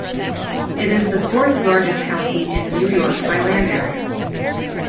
It is the fourth-largest county in New York by land area.